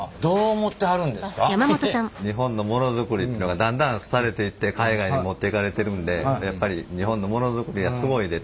日本のモノづくりってのがだんだん廃れていって海外に持っていかれてるんでやっぱり日本のモノづくりはすごいでと。